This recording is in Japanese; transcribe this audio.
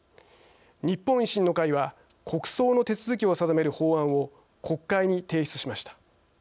日本維新の会は国葬の手続きを定める法案を国会に提出しました。